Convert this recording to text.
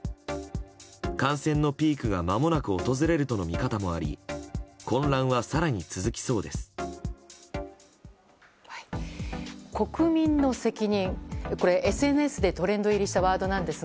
感染のピークがまもなく訪れるとの見方もあり混乱は更に続きそうです。